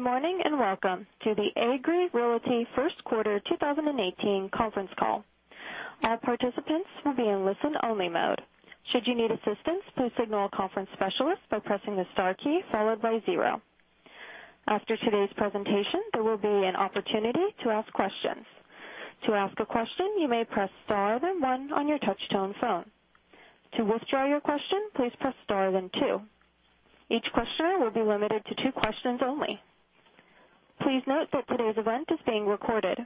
Good morning, and welcome to the Agree Realty first quarter 2018 conference call. All participants will be in listen-only mode. Should you need assistance, please signal a conference specialist by pressing the star key followed by zero. After today's presentation, there will be an opportunity to ask questions. To ask a question, you may press star, then one on your touch-tone phone. To withdraw your question, please press star, then two. Each questioner will be limited to two questions only. Please note that today's event is being recorded.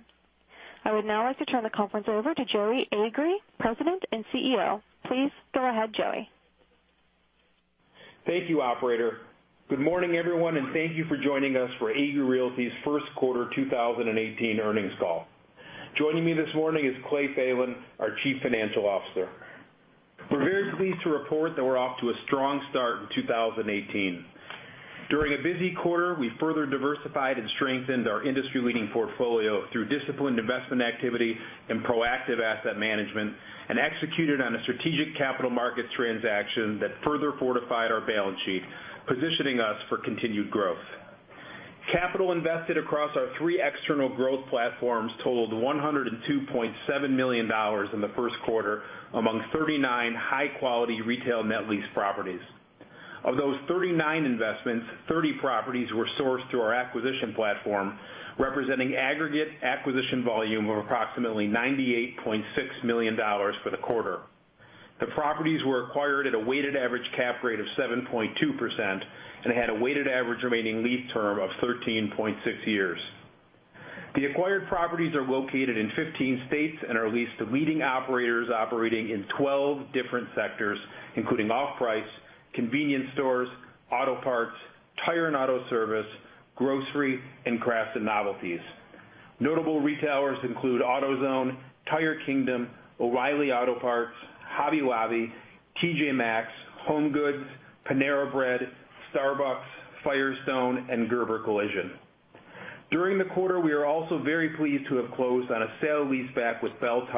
I would now like to turn the conference over to Joey Agree, President and CEO. Please go ahead, Joey. Thank you, operator. Good morning, everyone, and thank you for joining us for Agree Realty's first quarter 2018 earnings call. Joining me this morning is Clay Thelen, our Chief Financial Officer. We're very pleased to report that we're off to a strong start in 2018. During a busy quarter, we further diversified and strengthened our industry-leading portfolio through disciplined investment activity and proactive asset management and executed on a strategic capital market transaction that further fortified our balance sheet, positioning us for continued growth. Capital invested across our three external growth platforms totaled $102.7 million in the first quarter among 39 high-quality retail net lease properties. Of those 39 investments, 30 properties were sourced through our acquisition platform, representing aggregate acquisition volume of approximately $98.6 million for the quarter. The properties were acquired at a weighted average cap rate of 7.2% and had a weighted average remaining lease term of 13.6 years. The acquired properties are located in 15 states and are leased to leading operators operating in 12 different sectors, including off-price, convenience stores, auto parts, tire and auto service, grocery, and crafts and novelties. Notable retailers include AutoZone, Tire Kingdom, O'Reilly Auto Parts, Hobby Lobby, TJ Maxx, HomeGoods, Panera Bread, Starbucks, Firestone, and Gerber Collision. During the quarter, we are also very pleased to have closed on a sale-leaseback with Belle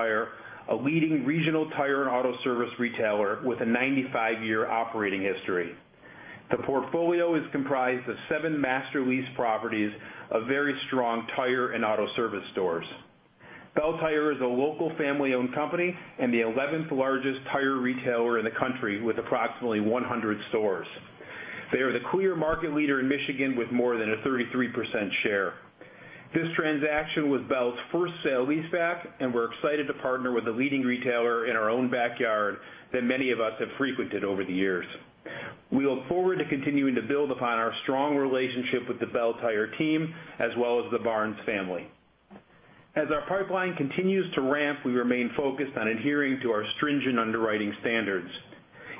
Tire, a leading regional tire and auto service retailer with a 95-year operating history. The portfolio is comprised of seven master lease properties of very strong tire and auto service stores. Belle Tire is a local family-owned company and the 11th largest tire retailer in the country with approximately 100 stores. They are the clear market leader in Michigan with more than a 33% share. This transaction was Belle's first sale-leaseback, and we're excited to partner with a leading retailer in our own backyard that many of us have frequented over the years. We look forward to continuing to build upon our strong relationship with the Belle Tire team as well as the Barnes family. As our pipeline continues to ramp, we remain focused on adhering to our stringent underwriting standards.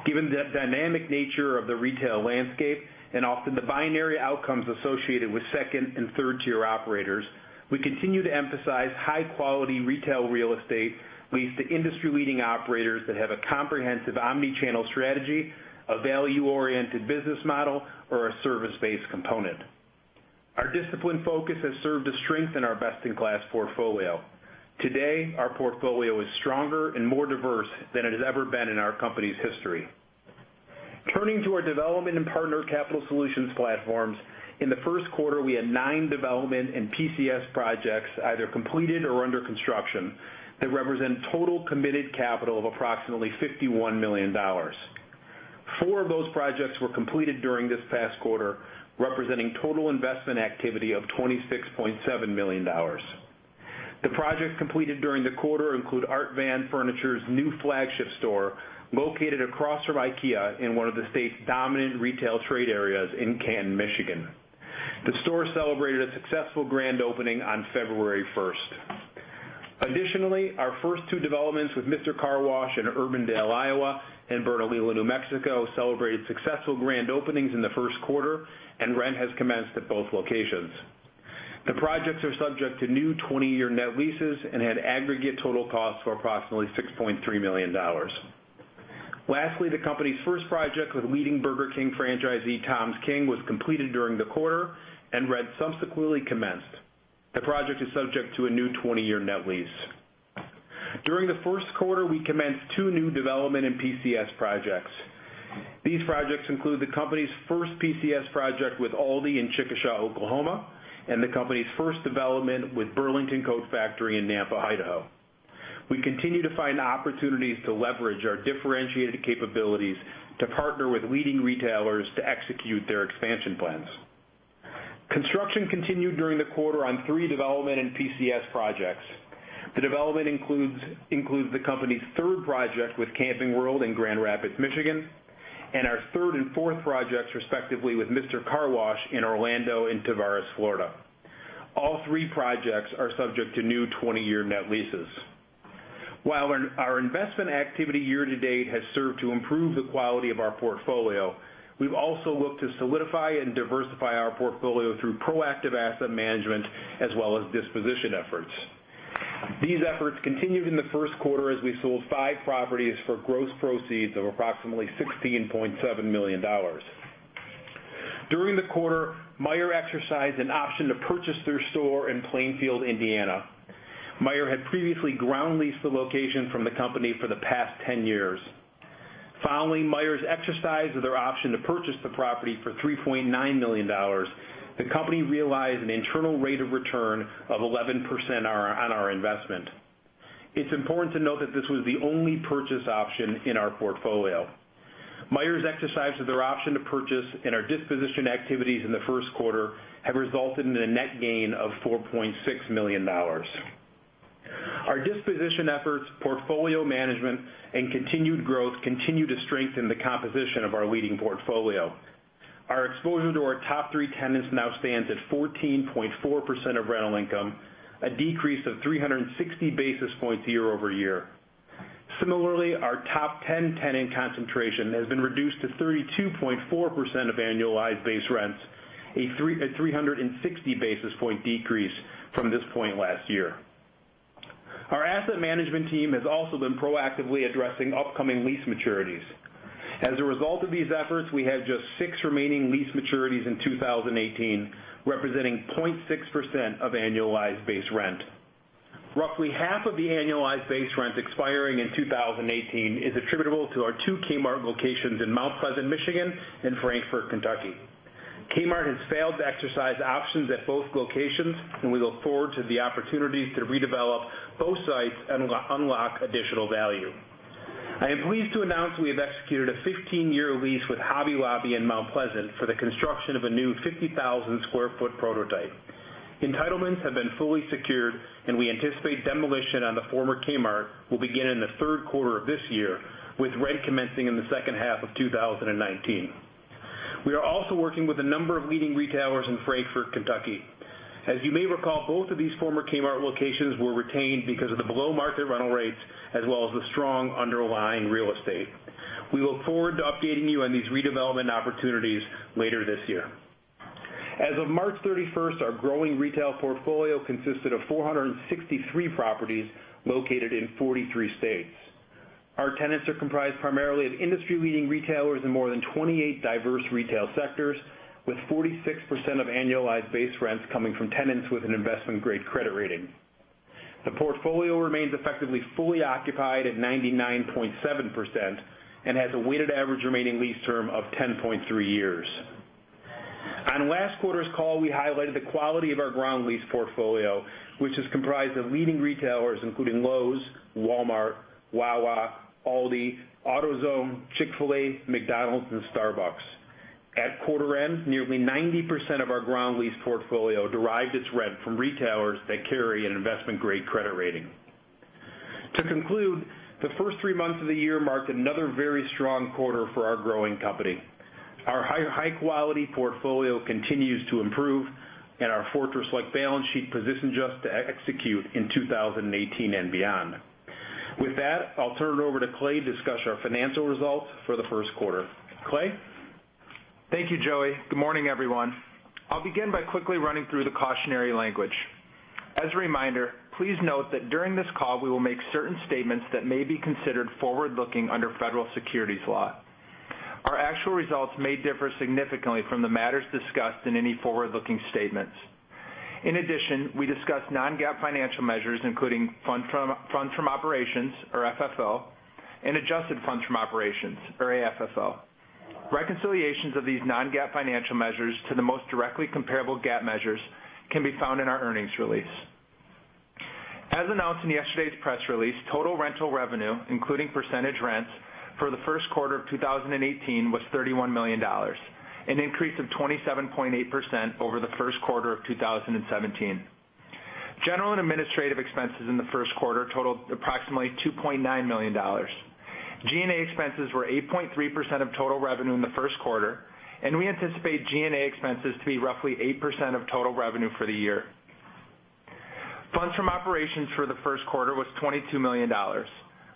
Given the dynamic nature of the retail landscape and often the binary outcomes associated with 2nd and 3rd-tier operators, we continue to emphasize high-quality retail real estate leased to industry-leading operators that have a comprehensive omni-channel strategy, a value-oriented business model, or a service-based component. Our disciplined focus has served to strengthen our best-in-class portfolio. Today, our portfolio is stronger and more diverse than it has ever been in our company's history. Turning to our development and partner capital solutions platforms, in the first quarter, we had nine development and PCS projects either completed or under construction that represent total committed capital of approximately $51 million. Four of those projects were completed during this past quarter, representing total investment activity of $26.7 million. The projects completed during the quarter include Art Van Furniture's new flagship store, located across from IKEA in one of the state's dominant retail trade areas in Canton, Michigan. The store celebrated a successful grand opening on February 1st. Additionally, our first two developments with Mister Car Wash in Urbandale, Iowa, and Bernalillo, New Mexico, celebrated successful grand openings in the first quarter, and rent has commenced at both locations. The projects are subject to new 20-year net leases and had aggregate total costs of approximately $6.3 million. Lastly, the company's first project with leading Burger King franchisee TOMS King was completed during the quarter and rent subsequently commenced. The project is subject to a new 20-year net lease. During the first quarter, we commenced two new development and PCS projects. These projects include the company's first PCS project with Aldi in Chickasha, Oklahoma, and the company's first development with Burlington Coat Factory in Nampa, Idaho. We continue to find opportunities to leverage our differentiated capabilities to partner with leading retailers to execute their expansion plans. Construction continued during the quarter on three development and PCS projects. The development includes the company's third project with Camping World in Grand Rapids, Michigan, and our third and fourth projects, respectively, with Mister Car Wash in Orlando and Tavares, Florida. All three projects are subject to new 20-year net leases. While our investment activity year-to-date has served to improve the quality of our portfolio, we've also looked to solidify and diversify our portfolio through proactive asset management as well as disposition efforts. These efforts continued in the first quarter as we sold five properties for gross proceeds of approximately $16.7 million. During the quarter, Meijer exercised an option to purchase their store in Plainfield, Indiana. Meijer had previously ground leased the location from the company for the past 10 years. Following Meijer's exercise of their option to purchase the property for $3.9 million, the company realized an internal rate of return of 11% on our investment. It's important to note that this was the only purchase option in our portfolio. Meijer's exercise of their option to purchase and our disposition activities in the first quarter have resulted in a net gain of $4.6 million. Our disposition efforts, portfolio management, and continued growth continue to strengthen the composition of our leading portfolio. Our exposure to our top three tenants now stands at 14.4% of rental income, a decrease of 360 basis points year-over-year. Similarly, our top 10 tenant concentration has been reduced to 32.4% of annualized base rents, a 360 basis point decrease from this point last year. Our asset management team has also been proactively addressing upcoming lease maturities. As a result of these efforts, we have just six remaining lease maturities in 2018, representing 0.6% of annualized base rent. Roughly half of the annualized base rents expiring in 2018 is attributable to our two Kmart locations in Mount Pleasant, Michigan, and Frankfort, Kentucky. Kmart has failed to exercise options at both locations. We look forward to the opportunity to redevelop both sites and unlock additional value. I am pleased to announce we have executed a 15-year lease with Hobby Lobby in Mount Pleasant for the construction of a new 50,000 square-foot prototype. Entitlements have been fully secured. We anticipate demolition on the former Kmart will begin in the third quarter of this year, with rent commencing in the second half of 2019. We are also working with a number of leading retailers in Frankfort, Kentucky. As you may recall, both of these former Kmart locations were retained because of the below-market rental rates as well as the strong underlying real estate. We look forward to updating you on these redevelopment opportunities later this year. As of March 31st, our growing retail portfolio consisted of 463 properties located in 43 states. Our tenants are comprised primarily of industry-leading retailers in more than 28 diverse retail sectors, with 46% of annualized base rents coming from tenants with an investment-grade credit rating. The portfolio remains effectively fully occupied at 99.7% and has a weighted average remaining lease term of 10.3 years. On last quarter's call, we highlighted the quality of our ground lease portfolio, which is comprised of leading retailers, including Lowe's, Walmart, Wawa, Aldi, AutoZone, Chick-fil-A, McDonald's, and Starbucks. At quarter end, nearly 90% of our ground lease portfolio derived its rent from retailers that carry an investment-grade credit rating. To conclude, the first three months of the year marked another very strong quarter for our growing company. Our high-quality portfolio continues to improve, and our fortress-like balance sheet positions us to execute in 2018 and beyond. With that, I'll turn it over to Clay to discuss our financial results for the first quarter. Clay? Thank you, Joey. Good morning, everyone. I'll begin by quickly running through the cautionary language. As a reminder, please note that during this call, we will make certain statements that may be considered forward-looking under federal securities law. In addition, we discuss non-GAAP financial measures, including funds from operations, or FFO, and adjusted funds from operations, or AFFO. Reconciliations of these non-GAAP financial measures to the most directly comparable GAAP measures can be found in our earnings release. As announced in yesterday's press release, total rental revenue, including percentage rents, for the first quarter of 2018 was $31 million, an increase of 27.8% over the first quarter of 2017. General and administrative expenses in the first quarter totaled approximately $2.9 million. G&A expenses were 8.3% of total revenue in the first quarter, and we anticipate G&A expenses to be roughly 8% of total revenue for the year. Funds from operations for the first quarter was $22 million,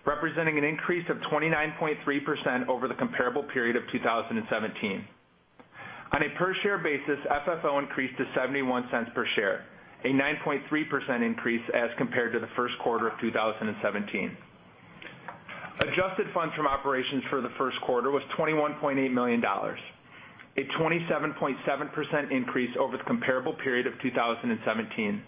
representing an increase of 29.3% over the comparable period of 2017. On a per-share basis, FFO increased to $0.71 per share, a 9.3% increase as compared to the first quarter of 2017. Adjusted funds from operations for the first quarter was $21.8 million, a 27.7% increase over the comparable period of 2017.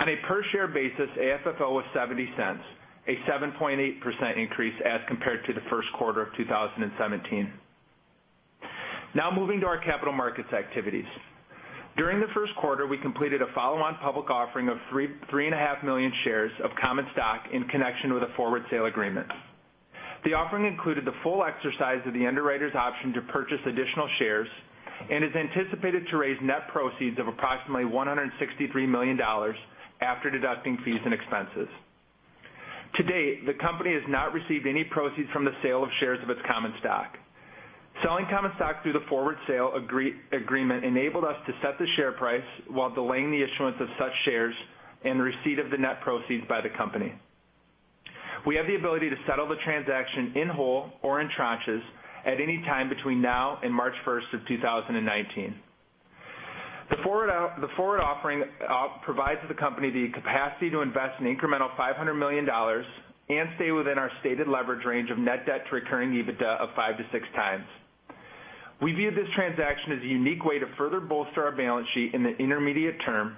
On a per-share basis, AFFO was $0.70, a 7.8% increase as compared to the first quarter of 2017. Moving to our capital markets activities. During the first quarter, we completed a follow-on public offering of 3.5 million shares of common stock in connection with a forward sale agreement. The offering included the full exercise of the underwriter's option to purchase additional shares and is anticipated to raise net proceeds of approximately $163 million after deducting fees and expenses. To date, the company has not received any proceeds from the sale of shares of its common stock. Selling common stock through the forward sale agreement enabled us to set the share price while delaying the issuance of such shares and receipt of the net proceeds by the company. We have the ability to settle the transaction in whole or in tranches at any time between now and March 1st of 2019. The forward offering provides the company the capacity to invest an incremental $500 million and stay within our stated leverage range of net debt to recurring EBITDA of five to six times. We view this transaction as a unique way to further bolster our balance sheet in the intermediate term,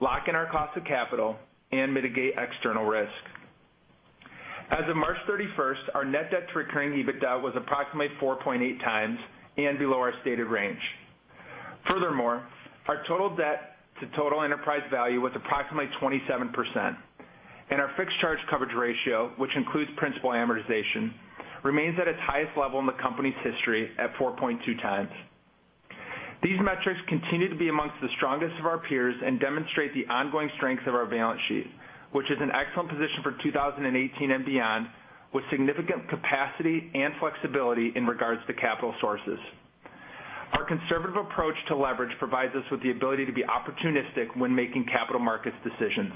lock in our cost of capital, and mitigate external risk. As of March 31st, our net debt to recurring EBITDA was approximately 4.8 times and below our stated range. Furthermore, our total debt to total enterprise value was approximately 27%, and our fixed charge coverage ratio, which includes principal amortization, remains at its highest level in the company's history at 4.2 times. These metrics continue to be amongst the strongest of our peers and demonstrate the ongoing strength of our balance sheet, which is an excellent position for 2018 and beyond, with significant capacity and flexibility in regards to capital sources. Our conservative approach to leverage provides us with the ability to be opportunistic when making capital markets decisions.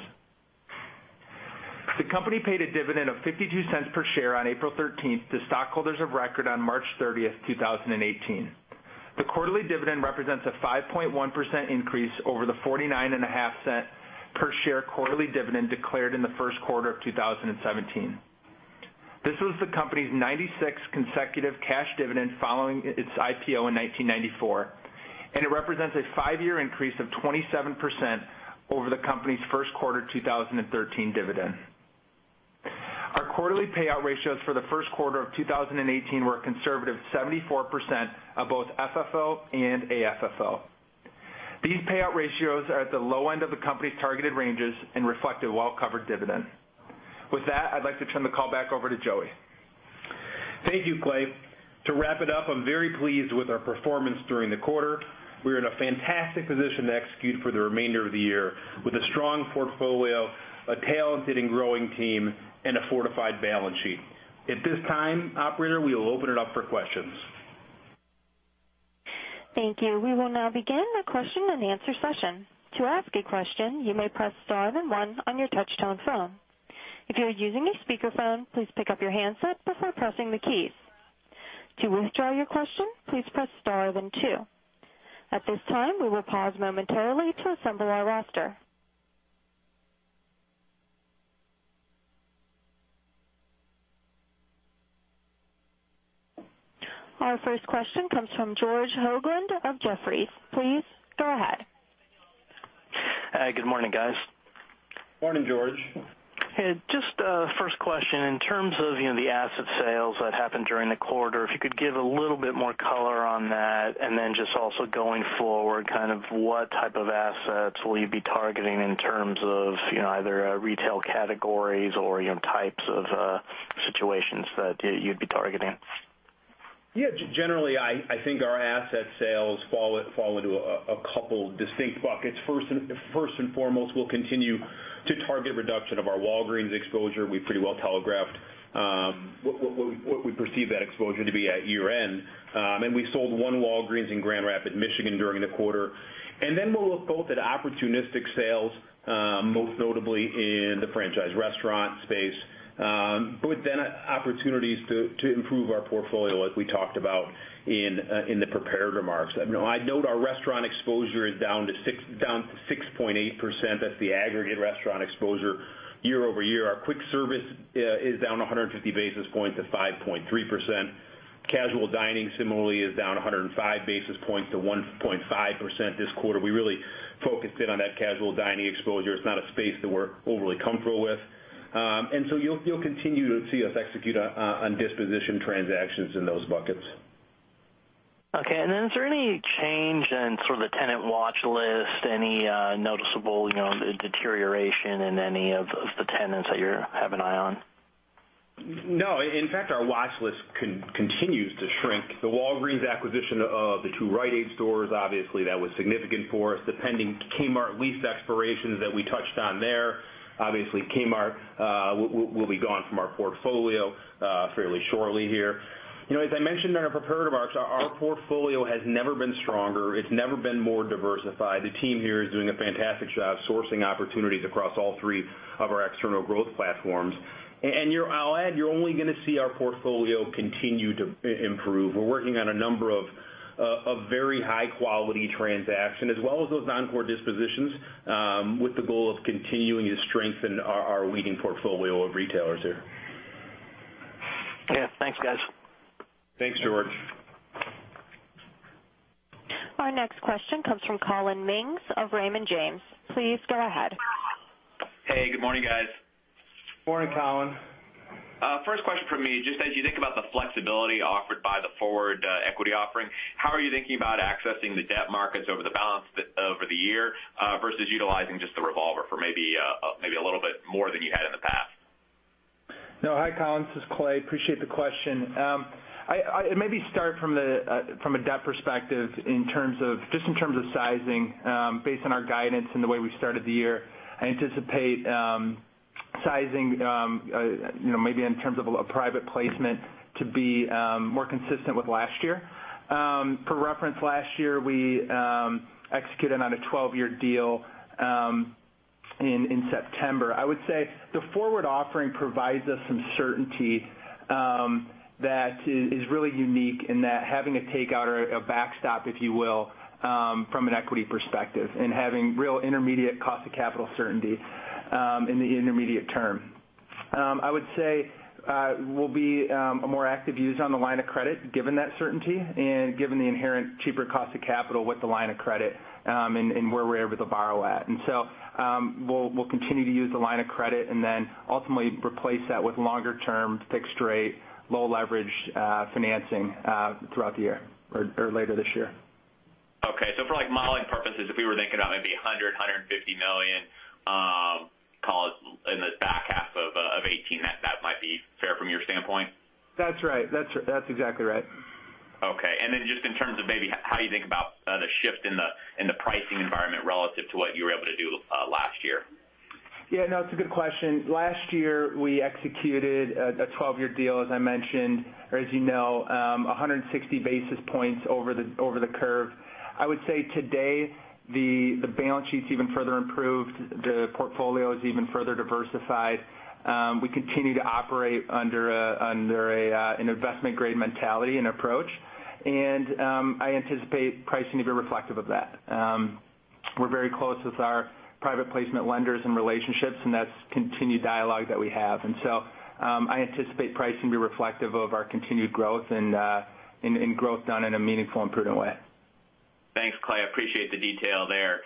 The company paid a dividend of $0.52 per share on April 13th to stockholders of record on March 30th, 2018. The quarterly dividend represents a 5.1% increase over the $0.495 per share quarterly dividend declared in the first quarter of 2017. This was the company's 96 consecutive cash dividend following its IPO in 1994, and it represents a five-year increase of 27% over the company's first quarter 2013 dividend. Our quarterly payout ratios for the first quarter of 2018 were a conservative 74% of both FFO and AFFO. These payout ratios are at the low end of the company's targeted ranges and reflect a well-covered dividend. I'd like to turn the call back over to Joey. Thank you, Clay. To wrap it up, I'm very pleased with our performance during the quarter. We are in a fantastic position to execute for the remainder of the year with a strong portfolio, a talented and growing team, and a fortified balance sheet. At this time, operator, we will open it up for questions. Thank you. We will now begin the question and answer session. To ask a question, you may press star then one on your touch-tone phone. If you are using a speakerphone, please pick up your handset before pressing the keys. To withdraw your question, please press star then two. At this time, we will pause momentarily to assemble our roster. Our first question comes from George Hoglund of Jefferies. Please go ahead. Hi, good morning, guys. Morning, George. Hey, just first question. In terms of the asset sales that happened during the quarter, if you could give a little bit more color on that, just also going forward, what type of assets will you be targeting in terms of either retail categories or types of situations that you'd be targeting? Generally, I think our asset sales fall into a couple distinct buckets. First and foremost, we'll continue to target reduction of our Walgreens exposure. We pretty well telegraphed what we perceive that exposure to be at year-end. We sold one Walgreens in Grand Rapids, Michigan, during the quarter. We'll look both at opportunistic sales, most notably in the franchise restaurant space, opportunities to improve our portfolio, as we talked about in the prepared remarks. I'd note our restaurant exposure is down to 6.8%. That's the aggregate restaurant exposure year-over-year. Our quick service is down 150 basis points to 5.3%. Casual dining similarly is down 105 basis points to 1.5% this quarter. We really focused in on that casual dining exposure. It's not a space that we're overly comfortable with. You'll continue to see us execute on disposition transactions in those buckets. Okay. Is there any change in sort of the tenant watch list? Any noticeable deterioration in any of the tenants that you have an eye on? No. In fact, our watch list continues to shrink. The Walgreens acquisition of the two Rite Aid stores, obviously that was significant for us. The pending Kmart lease expirations that we touched on there. Obviously, Kmart will be gone from our portfolio fairly shortly here. As I mentioned in our prepared remarks, our portfolio has never been stronger. It has never been more diversified. The team here is doing a fantastic job sourcing opportunities across all three of our external growth platforms. I'll add, you're only going to see our portfolio continue to improve. We're working on a number of very high-quality transactions as well as those non-core dispositions with the goal of continuing to strengthen our leading portfolio of retailers here. Okay. Thanks, guys. Thanks, George. Our next question comes from Collin Mings of Raymond James. Please go ahead. Hey, good morning, guys. Morning, Collin. First question from me. Just as you think about the flexibility offered by the forward equity offering, how are you thinking about accessing the debt markets over the year versus utilizing just the revolver for maybe a little bit more than you had in the past? Hi, Collin. This is Clay. Appreciate the question. Maybe start from a debt perspective just in terms of sizing based on our guidance and the way we started the year. I anticipate sizing maybe in terms of a private placement to be more consistent with last year. For reference, last year, we executed on a 12-year deal in September. I would say the forward offering provides us some certainty that is really unique in that having a takeout or a backstop, if you will, from an equity perspective and having real intermediate cost of capital certainty in the intermediate term. I would say we'll be a more active user on the line of credit given that certainty and given the inherent cheaper cost of capital with the line of credit, and where we're able to borrow at. We'll continue to use the line of credit and then ultimately replace that with longer-term fixed rate, low-leverage financing throughout the year or later this year. Okay. For modeling purposes, if we were thinking about maybe $100 million, $150 million, call it in the back half of 2018, that might be fair from your standpoint? That's right. That's exactly right. Okay. Just in terms of maybe how you think about the shift in the pricing environment relative to what you were able to do last year. It's a good question. Last year, we executed a 12-year deal, as I mentioned, or as you know, 160 basis points over the curve. I would say today, the balance sheet's even further improved. The portfolio is even further diversified. We continue to operate under an investment-grade mentality and approach. I anticipate pricing to be reflective of that. We're very close with our private placement lenders and relationships, and that's continued dialogue that we have. I anticipate pricing to be reflective of our continued growth and growth done in a meaningful and prudent way. Thanks, Clay. I appreciate the detail there.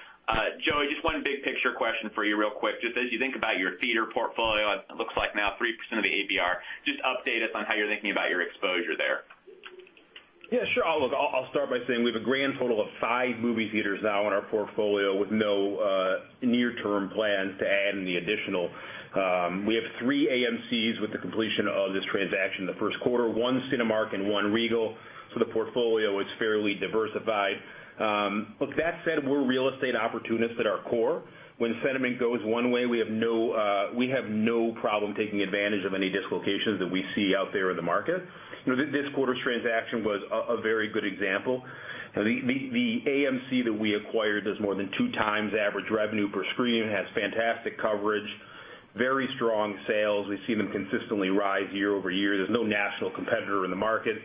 Joey, just one big-picture question for you real quick. Just as you think about your theater portfolio, it looks like now 3% of the ABR. Just update us on how you're thinking about your exposure there. Sure. I'll start by saying we have a grand total of five movie theaters now in our portfolio with no near-term plans to add any additional. We have three AMCs with the completion of this transaction in the first quarter, one Cinemark and one Regal. The portfolio is fairly diversified. Look, that said, we're real estate opportunists at our core. When sentiment goes one way, we have no problem taking advantage of any dislocations that we see out there in the market. This quarter's transaction was a very good example. The AMC that we acquired does more than two times average revenue per screen, has fantastic coverage, very strong sales. We see them consistently rise year-over-year. There's no national competitor in the market.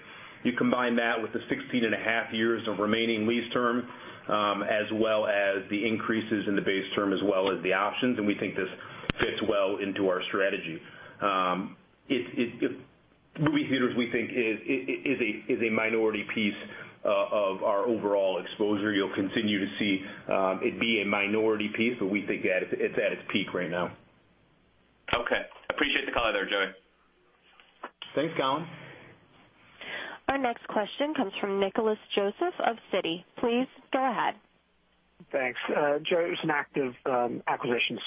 You combine that with the 16 and a half years of remaining lease term, as well as the increases in the base term, as well as the options, and we think this fits well into our strategy. Movie theaters, we think is a minority piece of our overall exposure. You'll continue to see it be a minority piece, but we think it's at its peak right now. Okay. Appreciate the color there, Joey. Thanks, Collin. Our next question comes from Nicholas Joseph of Citi. Please go ahead. Thanks. Joey, it was an active acquisitions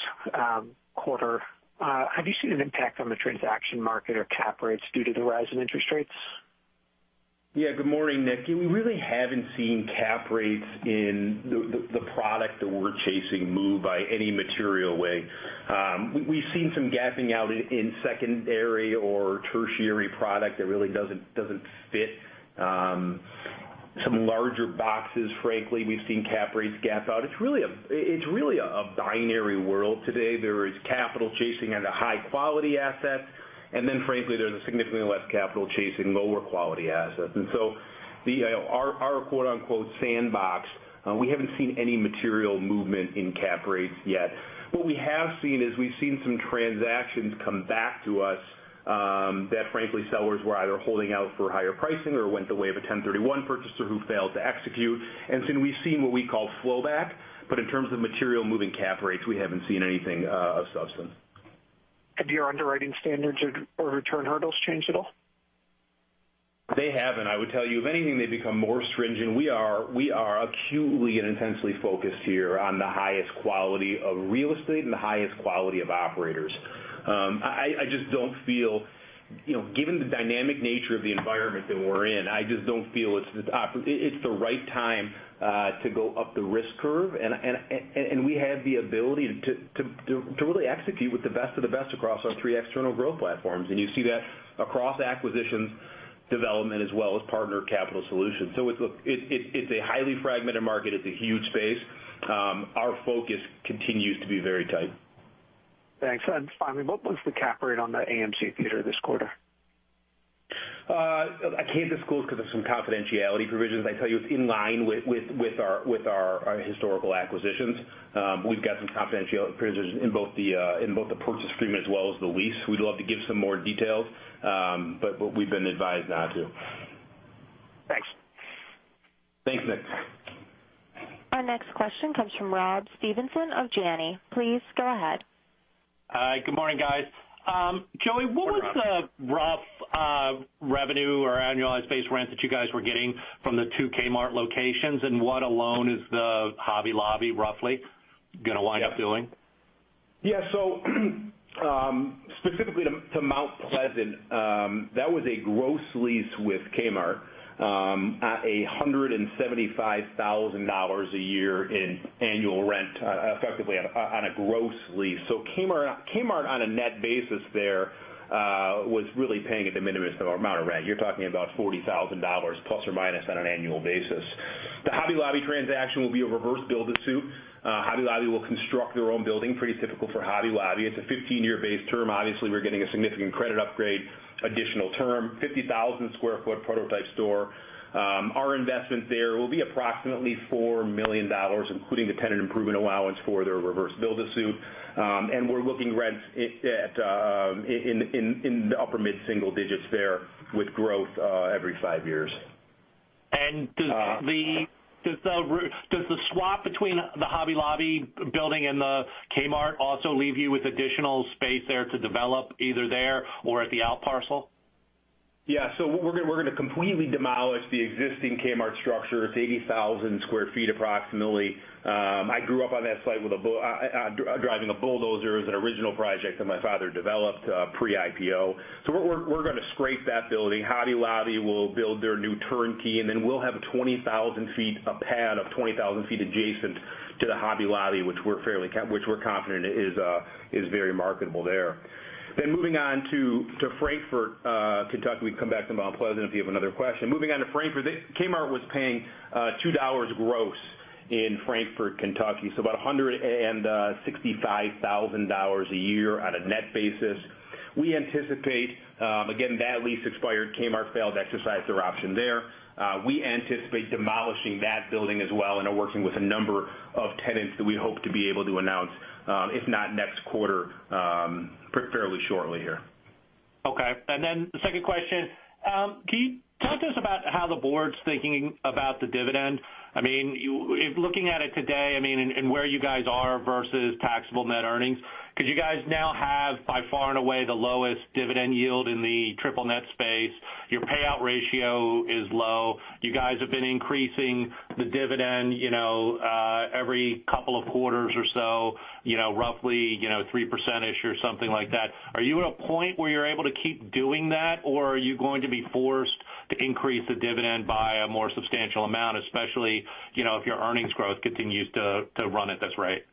quarter. Have you seen an impact on the transaction market or cap rates due to the rise in interest rates? Good morning, Nick. We really haven't seen cap rates in the product that we're chasing move by any material way. We've seen some gapping out in secondary or tertiary product that really doesn't fit some larger boxes, frankly. We've seen cap rates gap out. It's really a binary world today. There is capital chasing at a high-quality asset, then frankly, there's significantly less capital chasing lower quality assets. So our, quote unquote, "sandbox," we haven't seen any material movement in cap rates yet. What we have seen is we've seen some transactions come back to us that frankly, sellers were either holding out for higher pricing or went the way of a 1031 purchaser who failed to execute. So we've seen what we call flow back, but in terms of material moving cap rates, we haven't seen anything of substance. Have your underwriting standards or return hurdles changed at all? They haven't. I would tell you, if anything, they've become more stringent. We are acutely and intensely focused here on the highest quality of real estate and the highest quality of operators. Given the dynamic nature of the environment that we're in, I just don't feel it's the right time to go up the risk curve, and we have the ability to really execute with the best of the best across our three external growth platforms. You see that across acquisitions development as well as partner capital solutions. It's a highly fragmented market. It's a huge space. Our focus continues to be very tight. Thanks. Finally, what was the cap rate on the AMC Theater this quarter? I can't disclose because of some confidentiality provisions. I tell you it's in line with our historical acquisitions. We've got some confidentiality provisions in both the purchase agreement as well as the lease. We'd love to give some more details, but we've been advised not to. Thanks. Thanks, Nick. Our next question comes from Rob Stevenson of Janney. Please go ahead. Hi. Good morning, guys. Good morning, Rob. Joey, what was the rough revenue or Annualized Base Rent that you guys were getting from the two Kmart locations, and what alone is the Hobby Lobby roughly gonna wind up doing? Specifically to Mount Pleasant, that was a gross lease with Kmart, $175,000 a year in annual rent, effectively on a gross lease. Kmart on a net basis there was really paying a de minimis amount of rent. You're talking about $40,000 plus or minus on an annual basis. The Hobby Lobby transaction will be a reverse build-to-suit. Hobby Lobby will construct their own building, pretty typical for Hobby Lobby. It's a 15-year base term. Obviously, we're getting a significant credit upgrade, additional term, 50,000-square-foot prototype store. Our investment there will be approximately $4 million, including the tenant improvement allowance for their reverse build-to-suit. We're looking rents in the upper mid-single digits there with growth every five years. Does the swap between the Hobby Lobby building and the Kmart also leave you with additional space there to develop either there or at the out parcel? We're going to completely demolish the existing Kmart structure. It's 80,000 sq ft approximately. I grew up on that site driving a bulldozer. It was an original project that my father developed pre-IPO. We're going to scrape that building. Hobby Lobby will build their new turnkey, and then we'll have 20,000 feet, a pad of 20,000 feet adjacent to the Hobby Lobby, which we're confident is very marketable there. Moving on to Frankfort, Kentucky. We can come back to Mount Pleasant if you have another question. Moving on to Frankfort. Kmart was paying $2 gross in Frankfort, Kentucky, so about $165,000 a year on a net basis. Again, that lease expired. Kmart failed to exercise their option there. We anticipate demolishing that building as well and are working with a number of tenants that we hope to be able to announce, if not next quarter, fairly shortly here. The second question, can you talk to us about how the board's thinking about the dividend? If looking at it today, and where you guys are versus taxable net earnings, because you guys now have by far and away the lowest dividend yield in the triple net space. Your payout ratio is low. You guys have been increasing the dividend every couple of quarters or so, roughly 3%-ish or something like that. Are you at a point where you're able to keep doing that, or are you going to be forced to increase the dividend by a more substantial amount, especially if your earnings growth continues to run at this rate?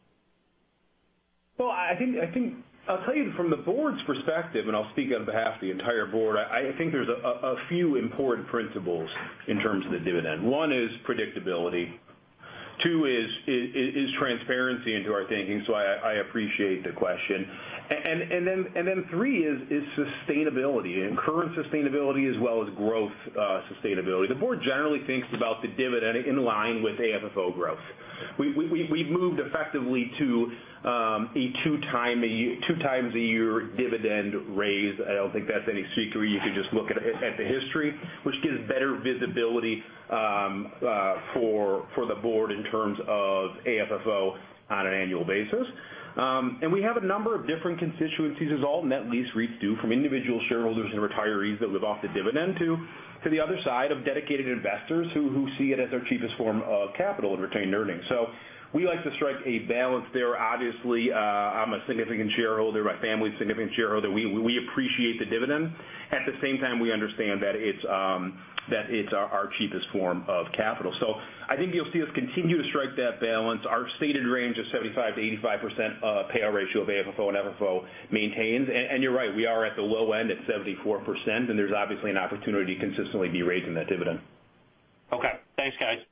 I'll tell you from the board's perspective, and I'll speak on behalf of the entire board, I think there's a few important principles in terms of the dividend. One is predictability. Two is transparency into our thinking, so I appreciate the question. Three is sustainability, and current sustainability as well as growth sustainability. The board generally thinks about the dividend in line with AFFO growth. We've moved effectively to a two times a year dividend raise. I don't think that's any secret. You can just look at the history, which gives better visibility for the board in terms of AFFO on an annual basis. We have a number of different constituencies, as all net lease REITs do, from individual shareholders and retirees that live off the dividend, to the other side of dedicated investors who see it as their cheapest form of capital and retained earnings. We like to strike a balance there. Obviously, I'm a significant shareholder. My family's a significant shareholder. We appreciate the dividend. At the same time, we understand that it's our cheapest form of capital. I think you'll see us continue to strike that balance. Our stated range of 75%-85% payout ratio of AFFO and FFO maintains. You're right, we are at the low end at 74%, and there's obviously an opportunity to consistently be raising that dividend. Thanks, guys.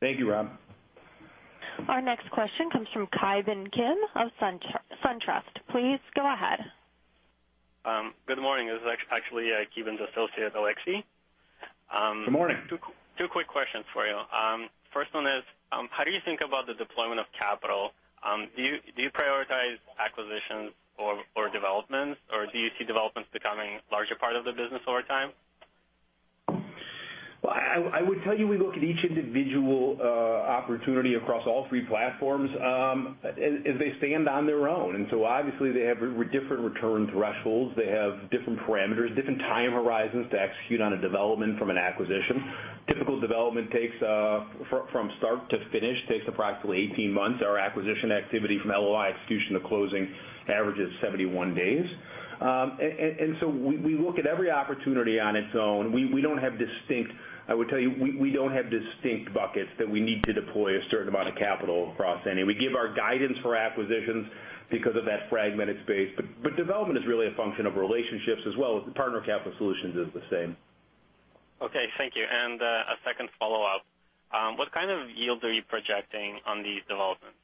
Thank you, Rob. Our next question comes from Ki Bin Kim of SunTrust. Please go ahead. Good morning. This is actually Ki Bin's associate, Alexi. Good morning. Two quick questions for you. First one is, how do you think about the deployment of capital? Do you prioritize acquisitions over developments, or do you see developments becoming a larger part of the business over time? Well, I would tell you, we look at each individual opportunity across all three platforms as they stand on their own. Obviously they have different return thresholds. They have different parameters, different time horizons to execute on a development from an acquisition. Typical development, from start to finish, takes approximately 18 months. Our acquisition activity from LOI execution to closing averages 71 days. We look at every opportunity on its own. I would tell you, we don't have distinct buckets that we need to deploy a certain amount of capital across any. Development is really a function of relationships as well as the partner capital solutions is the same. Okay. Thank you. A second follow-up. What kind of yield are you projecting on these developments?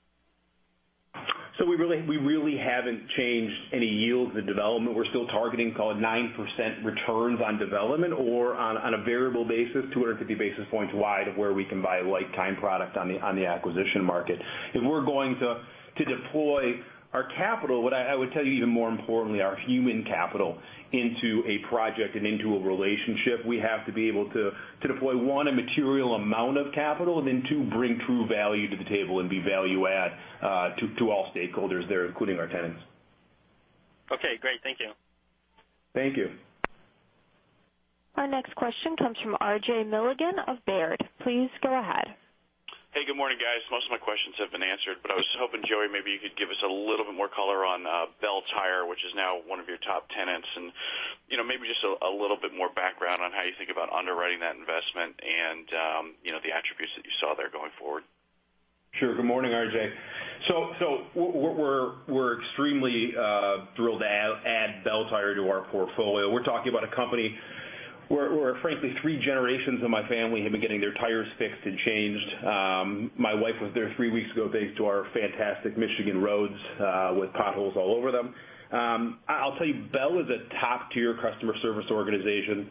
We really haven't changed any yields of development. We're still targeting call it 9% returns on development or on a variable basis, 250 basis points wide of where we can buy like kind product on the acquisition market. If we're going to deploy our capital, what I would tell you even more importantly, our human capital, into a project and into a relationship, we have to be able to deploy, one, a material amount of capital, and then two, bring true value to the table and be value add to all stakeholders there, including our tenants. Okay, great. Thank you. Thank you. Our next question comes from RJ Milligan of Baird. Please go ahead. Hey, good morning, guys. Most of my questions have been answered. I was hoping, Joey, maybe you could give us a little bit more color on Belle Tire, which is now one of your top tenants, and maybe just a little bit more background on how you think about underwriting that investment and the attributes that you saw there going forward. Sure. Good morning, RJ. We're extremely thrilled to add Belle Tire to our portfolio. We're talking about a company where, frankly, three generations of my family have been getting their tires fixed and changed. My wife was there three weeks ago thanks to our fantastic Michigan roads with potholes all over them. I'll tell you, Belle is a top-tier customer service organization.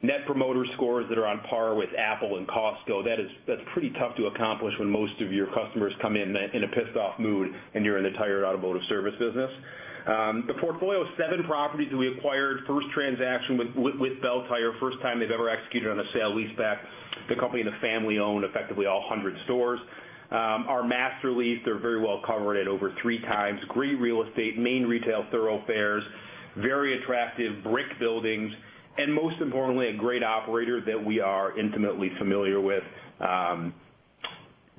Net promoter scores that are on par with Apple and Costco. That's pretty tough to accomplish when most of your customers come in in a pissed-off mood and you're in the tire automotive service business. The portfolio of seven properties that we acquired, first transaction with Belle Tire, first time they've ever executed on a sale-leaseback. The company and the family own effectively all 100 stores. Our master lease, they're very well covered at over three times. Great real estate, main retail thoroughfares, very attractive brick buildings, and most importantly, a great operator that we are intimately familiar with.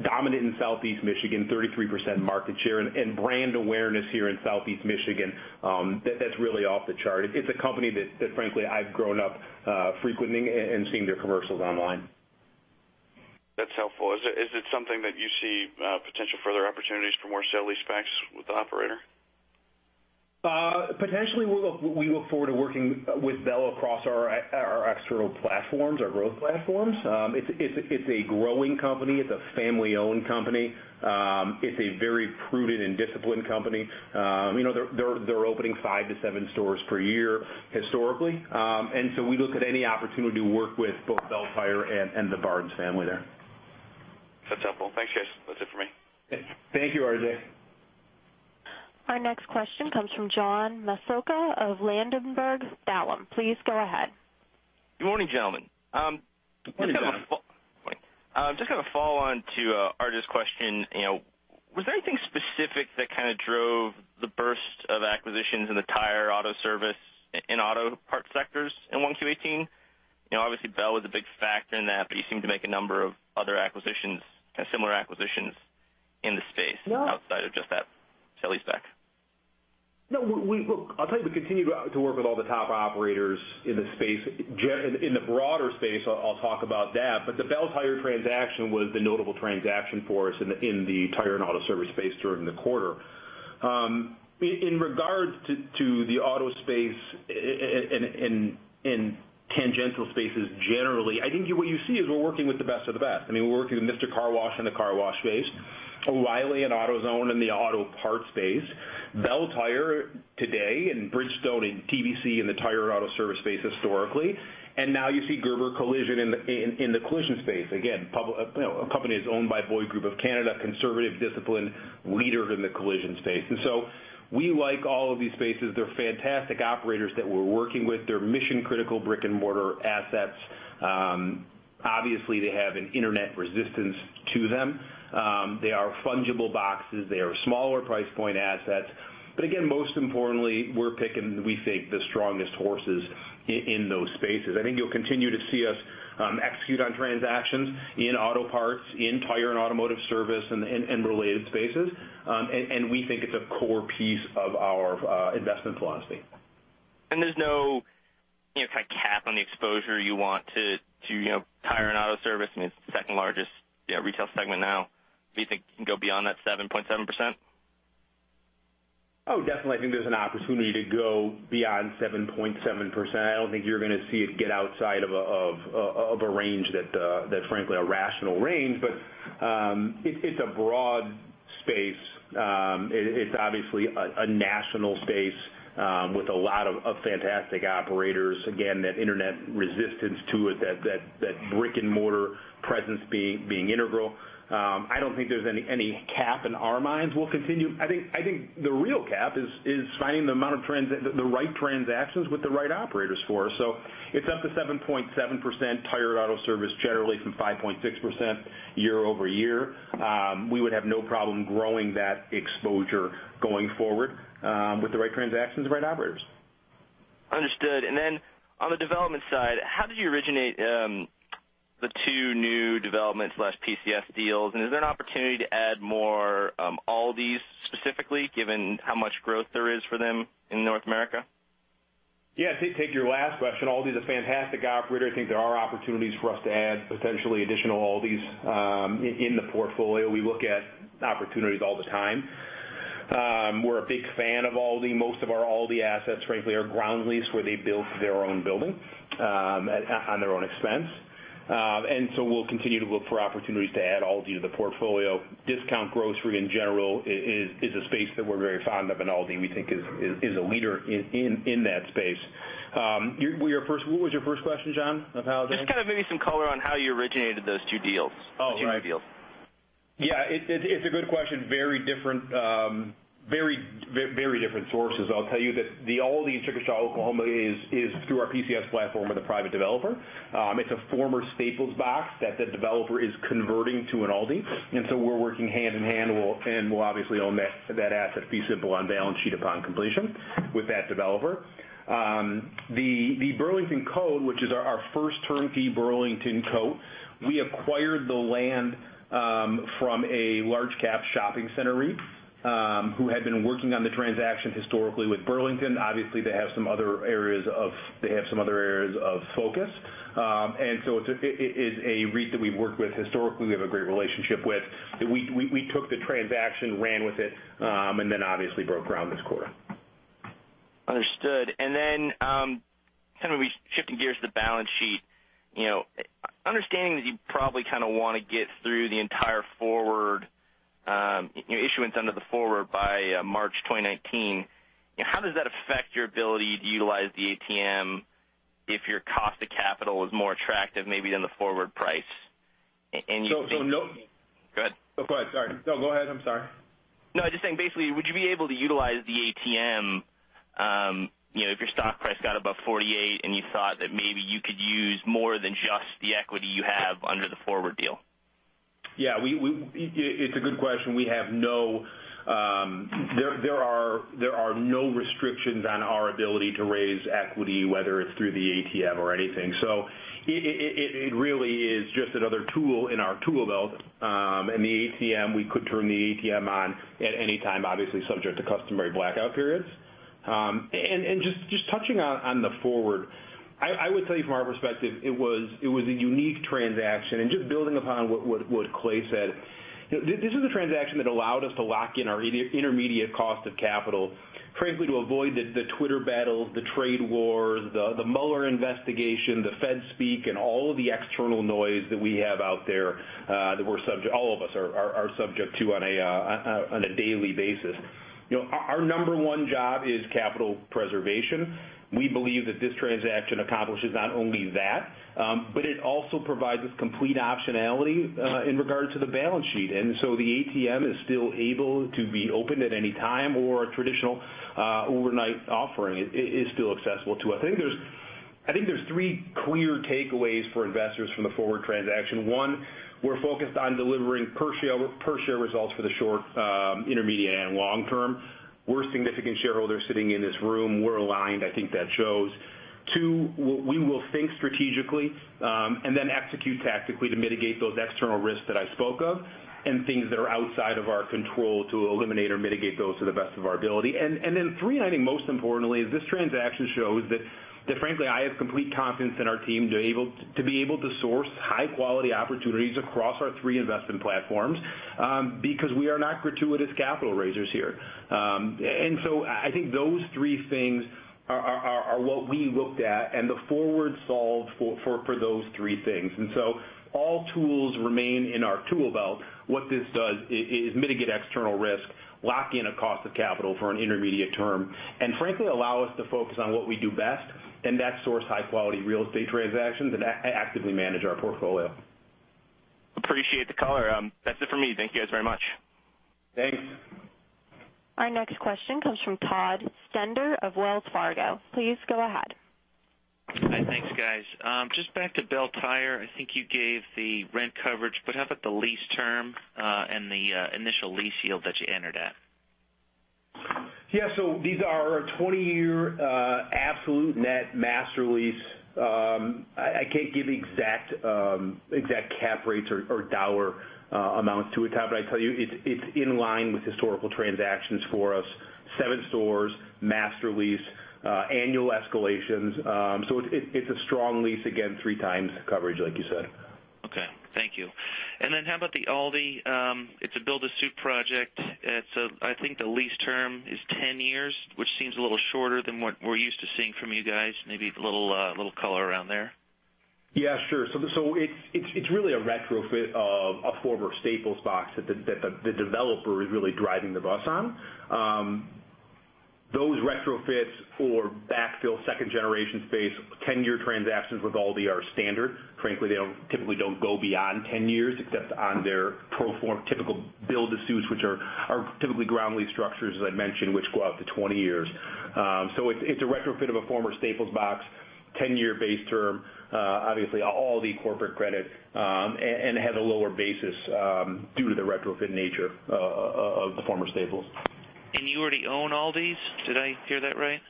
Dominant in Southeast Michigan, 33% market share, and brand awareness here in Southeast Michigan, that's really off the chart. It's a company that frankly, I've grown up frequenting and seeing their commercials online. That's helpful. Is it something that you see potential further opportunities for more sale-leasebacks with the operator? Potentially. We look forward to working with Belle across our external platforms, our growth platforms. It's a growing company. It's a family-owned company. It's a very prudent and disciplined company. They're opening 5 to 7 stores per year historically. We look at any opportunity to work with both Belle Tire and the Barnes family there. That's helpful. Thanks, Joey. That's it for me. Thank you, RJ. Our next question comes from John Massocca of Ladenburg Thalmann. Please go ahead. Good morning, gentlemen. Good morning, John. Just kind of a follow-on to RJ's question. Was there anything specific that kind of drove the burst of acquisitions in the tire, auto service, and auto parts sectors in Q1 2018? Obviously, Belle was a big factor in that, but you seem to make a number of other similar acquisitions in the space outside of just that sale-leaseback. No. I'll tell you, we continue to work with all the top operators in the space. In the broader space, I'll talk about that, but the Belle Tire transaction was the notable transaction for us in the tire and auto service space during the quarter. In regards to the auto space and tangential spaces generally, I think what you see is we're working with the best of the best. We're working with Mister Car Wash in the car wash space, O'Reilly and AutoZone in the auto parts space, Belle Tire today, and Bridgestone and TBC in the tire auto service space historically. Now you see Gerber Collision in the collision space. Again, a company that's owned by Boyd Group of Canada, conservative, disciplined leader in the collision space. We like all of these spaces. They're fantastic operators that we're working with. They're mission-critical brick and mortar assets. Obviously, they have an internet resistance to them. They are fungible boxes. They are smaller price point assets. Again, most importantly, we're picking, we think, the strongest horses in those spaces. I think you'll continue to see us execute on transactions in auto parts, in tire and automotive service, and related spaces. We think it's a core piece of our investment philosophy. There's no kind of cap on the exposure you want to tire and auto service. I mean, it's the second largest retail segment now. Do you think you can go beyond that 7.7%? Oh, definitely. I think there's an opportunity to go beyond 7.7%. I don't think you're going to see it get outside of a range that, frankly, a rational range. It's a broad space. It's obviously a national space with a lot of fantastic operators. Again, that internet resistance to it, that brick and mortar presence being integral. I don't think there's any cap in our minds. I think the real cap is finding the right transactions with the right operators for us. It's up to 7.7% tire auto service, generally from 5.6% year-over-year. We would have no problem growing that exposure going forward with the right transactions, the right operators. Understood. Then on the development side, how did you originate the two new developments/PCS deals? Is there an opportunity to add more Aldis specifically, given how much growth there is for them in North America? Yeah. To take your last question, Aldi is a fantastic operator. I think there are opportunities for us to add potentially additional Aldis in the portfolio. We look at opportunities all the time. We're a big fan of Aldi. Most of our Aldi assets, frankly, are ground lease where they built their own building on their own expense. So we'll continue to look for opportunities to add Aldi to the portfolio. Discount grocery, in general, is a space that we're very fond of, and Aldi, we think, is a leader in that space. What was your first question, John, of how? Just kind of maybe some color on how you originated those two deals. Oh, right. The two new deals. Yeah. It's a good question. Very different sources. I'll tell you that the Aldi in Chickasha, Oklahoma, is through our PCS platform with a private developer. It's a former Staples box that the developer is converting to an Aldi. We're working hand in hand, and we'll obviously own that asset fee simple on balance sheet upon completion with that developer. The Burlington Coat, which is our first turnkey Burlington Coat, we acquired the land from a large cap shopping center REIT, who had been working on the transaction historically with Burlington. Obviously, they have some other areas of focus. It is a REIT that we've worked with historically, we have a great relationship with. We took the transaction, ran with it, and then obviously broke ground this quarter. Understood. Kind of shifting gears to the balance sheet. Understanding that you probably kind of want to get through the entire issuance under the forward by March 2019, how does that affect your ability to utilize the ATM if your cost of capital is more attractive maybe than the forward price? So no- Go ahead. No, go ahead. Sorry. No, go ahead. I'm sorry. I'm just saying, basically, would you be able to utilize the ATM if your stock price got above 48 and you thought that maybe you could use more than just the equity you have under the forward deal? Yeah. It's a good question. There are no restrictions on our ability to raise equity, whether it's through the ATM or anything. It really is just another tool in our tool belt. The ATM, we could turn the ATM on at any time, obviously subject to customary blackout periods. Just touching on the forward, I would tell you from our perspective, it was a unique transaction. Just building upon what Clay said, this is a transaction that allowed us to lock in our intermediate cost of capital, frankly, to avoid the Twitter battles, the trade wars, the Mueller investigation, the Fed speak, and all of the external noise that we have out there that all of us are subject to on a daily basis. Our number one job is capital preservation. We believe that this transaction accomplishes not only that, but it also provides us complete optionality in regards to the balance sheet. The ATM is still able to be opened at any time, or a traditional overnight offering is still accessible to us. I think there's three clear takeaways for investors from the forward transaction. One, we're focused on delivering per-share results for the short, intermediate, and long term. We're significant shareholders sitting in this room. We're aligned. I think that shows. Two, we will think strategically and then execute tactically to mitigate those external risks that I spoke of and things that are outside of our control to eliminate or mitigate those to the best of our ability. Three, and I think most importantly, is this transaction shows that frankly, I have complete confidence in our team to be able to source high-quality opportunities across our three investment platforms because we are not gratuitous capital raisers here. I think those three things are what we looked at, and the forward solve for those three things. All tools remain in our tool belt. What this does is mitigate external risk, lock in a cost of capital for an intermediate term, and frankly, allow us to focus on what we do best, and that's source high-quality real estate transactions and actively manage our portfolio. Appreciate the color. That's it for me. Thank you guys very much. Thanks. Our next question comes from Todd Stender of Wells Fargo. Please go ahead. Hi. Thanks, guys. Just back to Belle Tire. I think you gave the rent coverage, how about the lease term and the initial lease yield that you entered at? Yeah. These are our 20-year absolute net master lease. I can't give exact cap rates or $ amounts to it, Todd Stender, I can tell you it's in line with historical transactions for us. Seven stores, master lease, annual escalations. It's a strong lease. Again, three times coverage, like you said. Okay. Thank you. How about the Aldi? It's a build-to-suit project. I think the lease term is 10 years, which seems a little shorter than what we're used to seeing from you guys. Maybe a little color around there. Yeah, sure. It's really a retrofit of a former Staples box that the developer is really driving the bus on. Those retrofits for backfill second-generation space, 10-year transactions with Aldi are standard. Frankly, they typically don't go beyond 10 years, except on their pro form typical build-to-suits, which are typically ground lease structures, as I mentioned, which go out to 20 years. It's a retrofit of a former Staples box, 10-year base term, obviously Aldi corporate credit, and it has a lower basis due to the retrofit nature of the former Staples. You already own Aldi? Did I hear that right?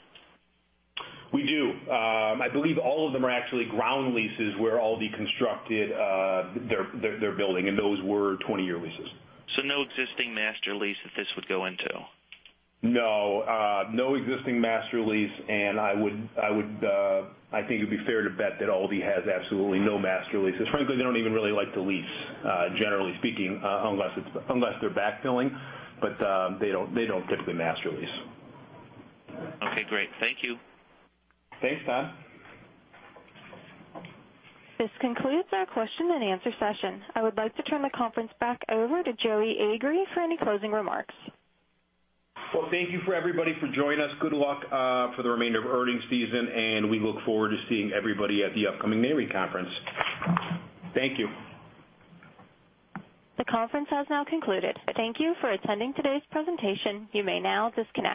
We do. I believe all of them are actually ground leases where Aldi constructed their building, and those were 20-year leases. No existing master lease that this would go into? No. No existing master lease. I think it would be fair to bet that Aldi has absolutely no master leases. Frankly, they don't even really like to lease, generally speaking, unless they're backfilling. They don't typically master lease. Okay, great. Thank you. Thanks, Todd. This concludes our question and answer session. I would like to turn the conference back over to Joey Agree for any closing remarks. Well, thank you for everybody for joining us. Good luck for the remainder of earnings season. We look forward to seeing everybody at the upcoming Nareit conference. Thank you. The conference has now concluded. Thank you for attending today's presentation. You may now disconnect.